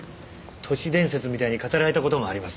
都市伝説みたいに語られた事もあります。